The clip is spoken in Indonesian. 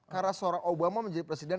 karena seorang obama menjadi presiden